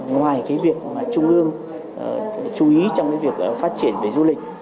ngoài việc trung ương chú ý trong việc phát triển du lịch